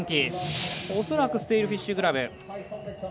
恐らくステイルフィッシュグラブ。